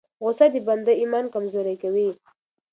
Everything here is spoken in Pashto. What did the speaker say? غصه د بنده ایمان کمزوری کوي.